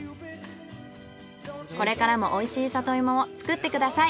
これからもおいしい里芋を作ってください。